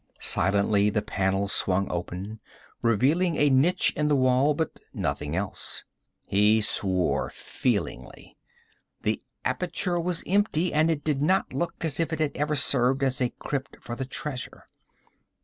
Silently the panel swung open, revealing a niche in the wall, but nothing else. He swore feelingly. The aperture was empty, and it did not look as if it had ever served as a crypt for treasure.